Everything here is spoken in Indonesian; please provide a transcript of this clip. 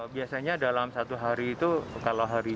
biasanya dalam satu hari itu kalau hari